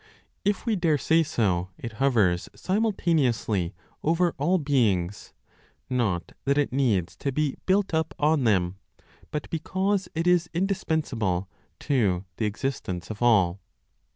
If we dare say so, it hovers simultaneously over all beings, not that it needs to be built up on them, but because it is indispensable to the existence of all.